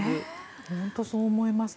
本当にそう思います。